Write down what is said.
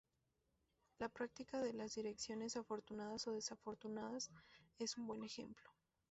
La práctica de las "direcciones afortunadas o desafortunadas" es un buen ejemplo.